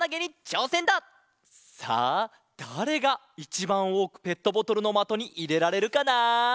さあだれがいちばんおおくペットボトルのまとにいれられるかな？